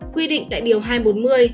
quy định tại điều hai trăm bốn mươi